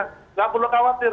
nggak perlu khawatir